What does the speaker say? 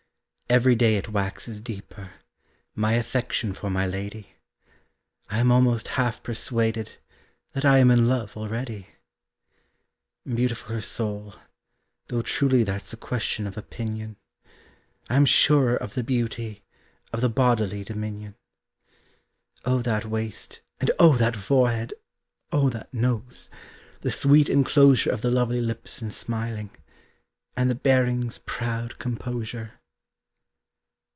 Every day it waxes deeper, My affection for my lady. I am almost half persuaded That I am in love already. Beautiful her soul: though truly That's a question of opinion. I am surer of the beauty Of the bodily dominion. Oh that waist! And oh that forehead! Oh that nose! The sweet enclosure Of the lovely lips in smiling! And the bearing's proud composure!